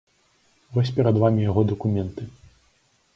Вось перад вамі яго дакументы.